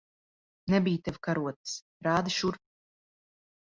Nebij tev karotes. Rādi šurp!